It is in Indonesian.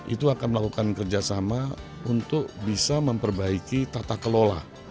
itu akan melakukan kerjasama untuk bisa memperbaiki tata kelola